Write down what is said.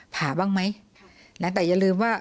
ผ่าบ้างไหมนะแต่อย่าลืมว่า